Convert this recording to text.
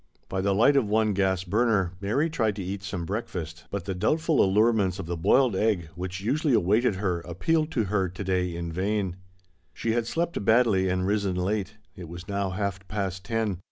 By the light of one gas burner Mary tried to eat some breakfast, but the doubtful allurements of the boiled eggs which usually awaited her appealed to her to day in vain. She had slept badly and risen late ; it was now half past ten.